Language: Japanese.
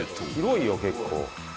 広いよ結構。